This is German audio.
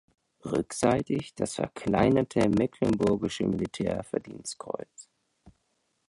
Rückseitig das verkleinerte Mecklenburgische Militärverdienstkreuz.